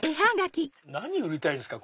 何売りたいんですか？